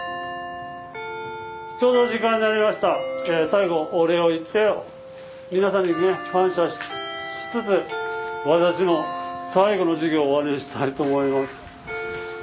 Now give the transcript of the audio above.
最後お礼を言って皆さんに感謝しつつ私の最後の授業を終わりにしたいと思います。